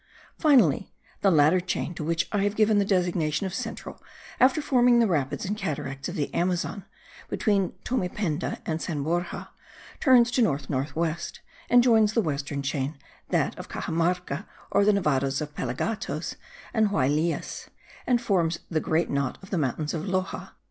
Finally, the latter chain, to which I have given the designation of central, after forming the rapids and cataracts of the Amazon, between Tomependa and San Borja, turns to north north west, and joins the western chain, that of Caxamarca, or the Nevados of Pelagatos and Huaylillas, and forms the great knot of the mountains of Loxa.